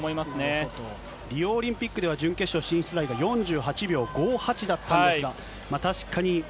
リオオリンピックでは、準決勝進出ラインが４８秒５８だったんですが。